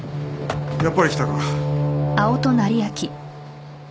やっぱり来たか。